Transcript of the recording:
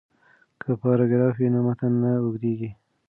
که پاراګراف وي نو متن نه اوږدیږي.